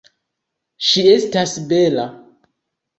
Ŝi estas bela.